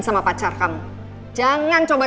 saudara yang keluar